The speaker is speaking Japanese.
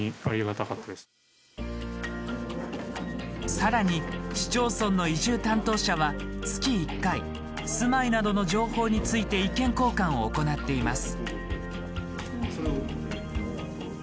さらに、市町村の移住担当者は月１回住まいなどの情報について意見交換を行っています。